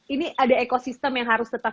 ini ada ekosistem yang harus tetap